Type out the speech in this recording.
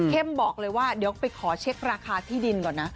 บอกเลยว่าเดี๋ยวไปขอเช็คราคาที่ดินก่อนนะ